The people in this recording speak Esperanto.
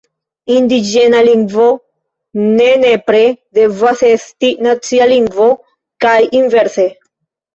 Indiĝena lingvo ne nepre devas esti nacia lingvo kaj inverse.